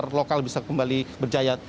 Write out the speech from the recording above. game lokal bisa kembali berjaya